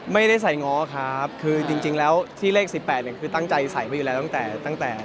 ไม่ได้ใส่ง้อครับคือจริงแล้วที่เลข๑๘เนี่ยคือตั้งใจใส่ไว้อยู่แล้วตั้งแต่ตั้งแต่